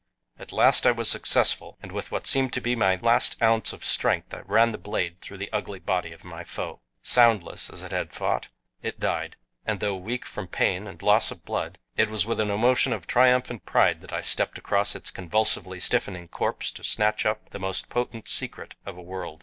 At last I was successful, and with what seemed to me my last ounce of strength I ran the blade through the ugly body of my foe. Soundless, as it had fought, it died, and though weak from pain and loss of blood, it was with an emotion of triumphant pride that I stepped across its convulsively stiffening corpse to snatch up the most potent secret of a world.